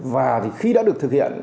và khi đã được thực hiện